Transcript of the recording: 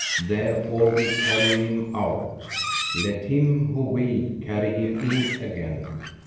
Therefore we carry him out. Let him who will carry him in again."